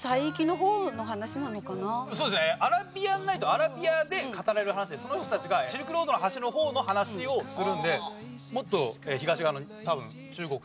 そうですね『アラビアンナイト』はアラビアで語られる話でその人たちがシルクロードの端の方の話をするんでもっと東側の多分中国とかになるのかな。